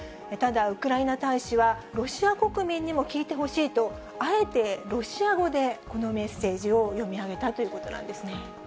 ただ、ウクライナ大使は、ロシア国民にも聞いてほしいと、あえてロシア語でこのメッセージを読み上げたということなんですね。